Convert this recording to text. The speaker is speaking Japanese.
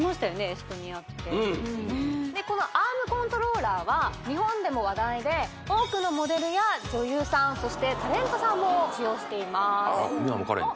エストニアってこのアームコントローラーは日本でも話題で多くのモデルや女優さんそしてタレントさんも使用しています美山加恋ちゃん